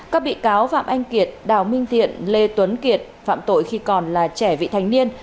các bị cáo phạm anh kiệt đào minh thiện lê tuấn kiệt phạm tội khi còn là trẻ vị thành niên